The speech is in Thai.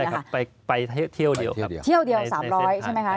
ไม่ใช่ครับไปเที่ยวเดียว๓๐๐กิโลเมตรใช่ไหมคะ